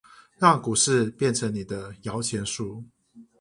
讓股市變成你的搖錢樹